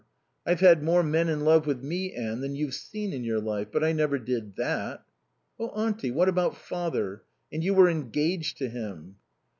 I've had more men in love with me, Anne, than you've seen in your life, but I never did that." "Oh Auntie, what about Father? And you were engaged to him."